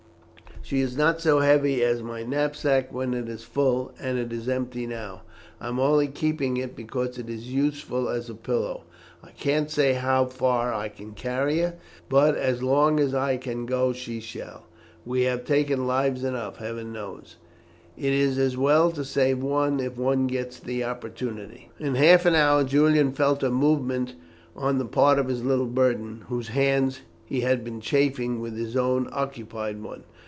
"She is not so heavy as my knapsack when it is full, and it is empty now; I am only keeping it because it is useful as a pillow. I can't say how far I can carry her, but as long as I can go she shall. We have taken lives enough, heaven knows. It is as well to save one if one gets the opportunity." In half an hour Julian felt a movement on the part of his little burden, whose hands he had been chafing with his own unoccupied one.